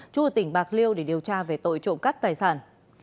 chú ở tỉnh bạc liêu để điều tra về tội trộm cắt tài sản